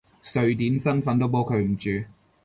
瑞典身份都保佢唔住！